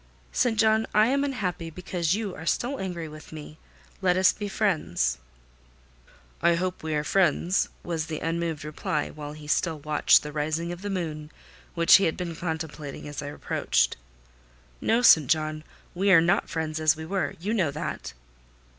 "St. John, I am unhappy because you are still angry with me. Let us be friends." "I hope we are friends," was the unmoved reply; while he still watched the rising of the moon, which he had been contemplating as I approached. "No, St. John, we are not friends as we were. You know that."